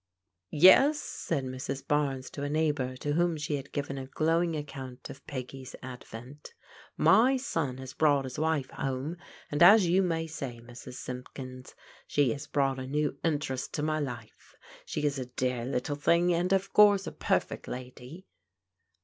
•* Yes," said Mrs. Barnes to a neighbour, to whom she had given a glowing accotmt of Peggy's advent, "my son has brought 'is wife 'ome, and as you may say, Mrs. Simpkins. She 'as brought a new interest to my life. She is a dear little thing, and, of course, a perfect lady."